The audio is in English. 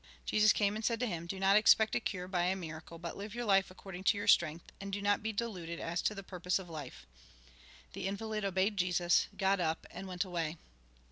Jesus came, and said to him :" Do not expect a cure by a miracle, but live your life according to your strength, and do not be deluded as to the purpose of life." The invalid obeyed Jesus, got up, and went away.